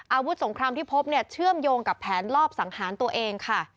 อาวุธสงครามที่พบเนี่ยเชื่อมโยงกับแผนลอบสังหารตัวเองค่ะ